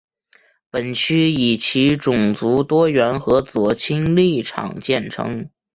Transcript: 本区以其种族多元和左倾立场见称。